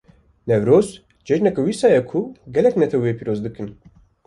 Newroz, cejineke wisa ye ku gelek netew wê pîroz dikin.